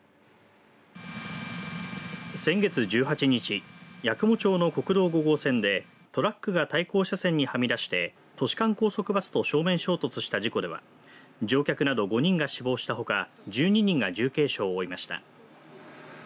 先月１８日八雲町の国道５号線でトラックが対向車線にはみ出して都市間高速バスと正面衝突した事故では乗客など５人が死亡したほか１２人が重軽傷を負いました。